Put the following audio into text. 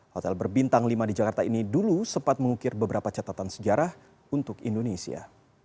hotel berbintang lima di jakarta ini dulu sempat mengukir beberapa catatan sejarah untuk indonesia